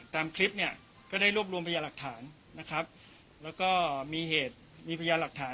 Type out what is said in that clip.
ตามคลิปเนี่ยก็ได้รวบรวมพยาหลักฐานนะครับแล้วก็มีเหตุมีพยานหลักฐาน